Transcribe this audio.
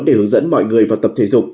để hướng dẫn mọi người vào tập thể dục